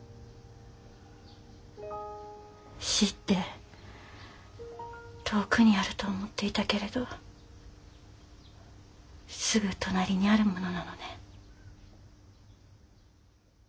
死って遠くにあると思っていたけれどすぐ隣にあるものなのね。